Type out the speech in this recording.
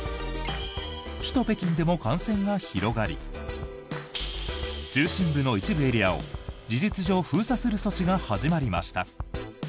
首都・北京でも感染が広がり中心部の一部エリアを事実上封鎖する措置が始まりました。